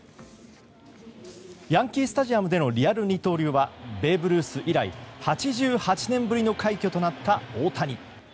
ヤンキー・スタジアムでのリアル二刀流はベーブ・ルース以来８８年ぶりの快挙となった大谷。